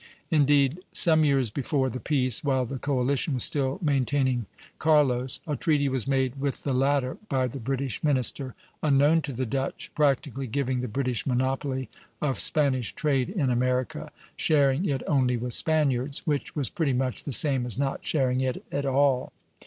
Indeed, some years before the peace, while the coalition was still maintaining Carlos, a treaty was made with the latter by the British minister, unknown to the Dutch, practically giving the British monopoly of Spanish trade in America; sharing it only with Spaniards, which was pretty much the same as not sharing it at all.